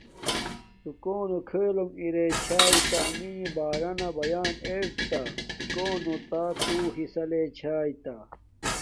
تو کونے کیھلونݣ ارے چھاݵ تا انݣ بارانا بیان ارے تا کونو نا تو حصہ لے چھاݵ تہ